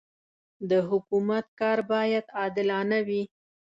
د حکومت کار باید عادلانه وي.